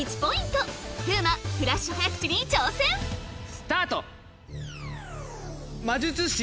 スタート！